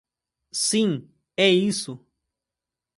Sim é isso.